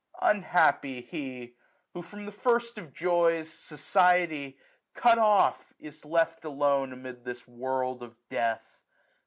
Unhappy he ! who from the first of joys. Society, cut off, is left alone 940 Amid this world of death.